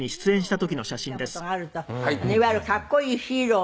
いわゆる格好いいヒーロー。